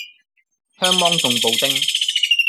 香芒凍布丁